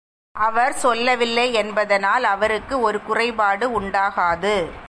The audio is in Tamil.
அவர் சொல்லவில்லை என்பதனால் அவருக்கு ஒரு குறைபாடு உண்டாகாது.